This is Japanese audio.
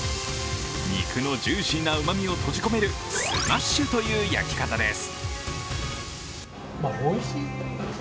肉のジューシーなうまみを閉じ込めるスマッシュという焼き方です。